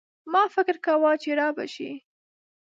ما فکر کاوه چي رابه شي.